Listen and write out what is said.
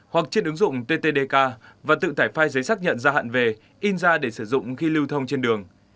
hoặc trên ứng dụng ttdk và tự tải file giấy xác nhận gia hạn về in ra để sử dụng khi lưu thông trên đường